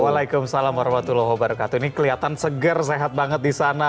waalaikumsalam warahmatullahi wabarakatuh ini kelihatan seger sehat banget di sana